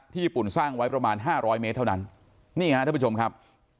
ญี่ปุ่นสร้างไว้ประมาณห้าร้อยเมตรเท่านั้นนี่ฮะท่านผู้ชมครับ